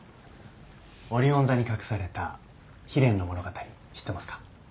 オリオン座に隠された悲恋の物語知ってますか？